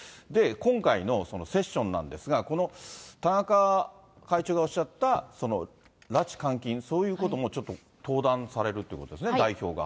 今回のセッションなんですが、この田中会長がおっしゃった拉致監禁、そういうこともちょっと登壇されるということですね、代表が。